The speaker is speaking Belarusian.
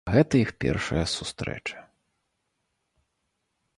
Гэта іх першая сустрэча.